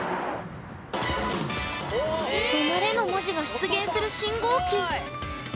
「止マレ」の文字が出現する信号機。